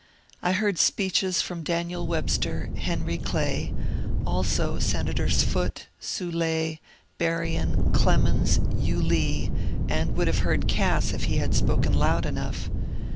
I heard speeches from Daniel Webster, Henry Clay, also Senators Foote, Soul^, Berrien, Clemens, Yulee, and would have heard Cass if he had spoken loud enough.